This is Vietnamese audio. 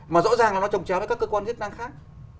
mà rõ ràng là nó trồng trèo với các cơ quan thiết năng khác